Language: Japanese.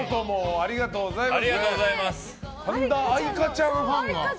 ありがとうございます。